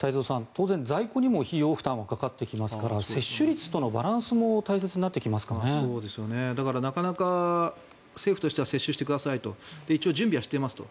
当然、在庫にも費用負担はかかってきますから接種率とのバランスがだからなかなか政府としては接種してください準備もしてますと。